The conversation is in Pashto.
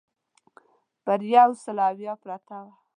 پر یو سل اویا پرته وه.